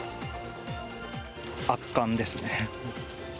圧巻ですね。